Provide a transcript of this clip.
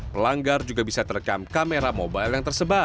pelanggar juga bisa terekam kamera mobile yang tersebar